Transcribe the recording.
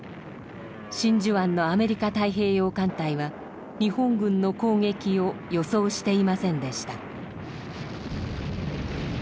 真珠湾のアメリカ太平洋艦隊は日本軍の攻撃を予想していませんでした。